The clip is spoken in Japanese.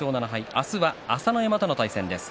明日は朝乃山との対戦です。